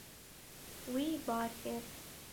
Wî bar kir.